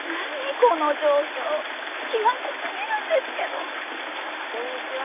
この状況気まずすぎるんですけどこんにちは